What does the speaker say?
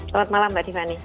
selamat malam mbak tiffany